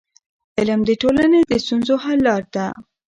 علم د ټولنې د ستونزو حل ته لار ده.